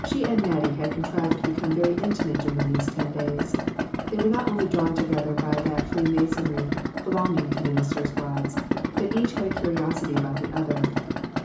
She and Mattie had contrived to become very inti mate during these ten days. They were not only drawn together by that free masonry belong ing to ministers' wives, but each had a curiosity about the other.